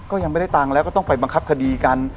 ก็ยังไม่ได้ตังค์แล้วก็ต้องไปบังคับคดีกัน